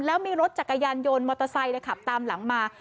แล้วมีรถจักรยานยนต์มอเตอร์ไซค์ขับตามหลังมา